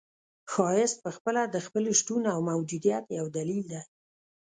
ښایست پخپله د خپل شتون او موجودیت یو دلیل دی.